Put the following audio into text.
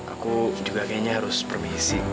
aku juga kayaknya harus permisik